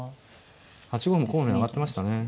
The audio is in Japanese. ８五も候補に挙がってましたね。